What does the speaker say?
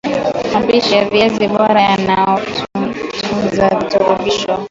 mapishi ya viazi bora yanayotunza virutubisho